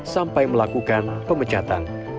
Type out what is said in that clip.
sampai melakukan pemecatan